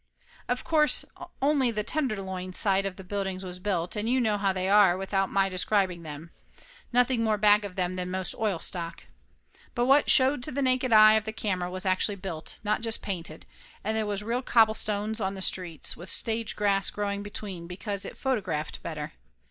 Of course only the tenderloin side of the buildings was built, and you know how they are without my describing them ; nothing more back of them than most oil stock. But what showed to the naked eye of the camera was actually built, not just painted, and there was real cobblestones on the streets with stage grass growing between because it photographed better.